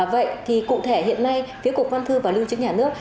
vậy thì cụ thể hiện nay phía cục văn thư và lưu trữ nhà nước